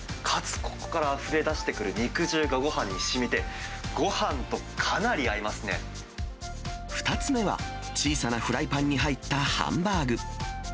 かつ、ここからあふれ出してくる肉汁がごはんにしみて、ごはんとかなり２つ目は、小さなフライパンに入ったハンバーグ。